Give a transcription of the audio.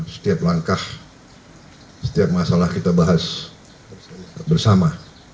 setiap langkah setiap masalah kita bahas bersama